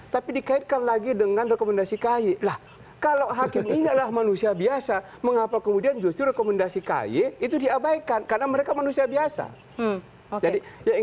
tapi dikaitkan lagi dengan rekomendasi kay lah kalau hakim ini adalah manusia biasa mengapa kemudian justru rekomendasi kay itu diabaikan karena mereka manusia biasa